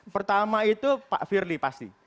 pertama itu pak firly pasti